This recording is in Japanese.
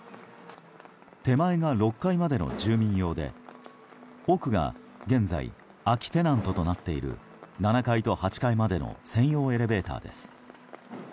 手前が６階までの住民用で奥が現在、空きテナントとなっている７階と８階までの専用エレベーターです。